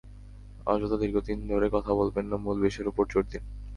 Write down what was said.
অযথা দীর্ঘক্ষণ ধরে কথা বলবেন না, মূল বিষয়ের ওপর জোর দিন।